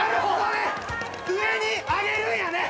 上にあげるんやね。